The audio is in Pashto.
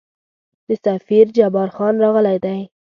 د سفیر جبارخان راغلی دی.